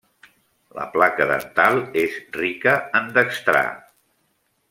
La placa dental és rica en dextrà.